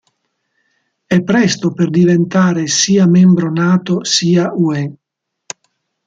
È presto per diventare sia membro Nato sia Ue.